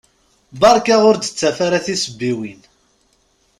Berka ur d-ttaf ara tisebbiwin!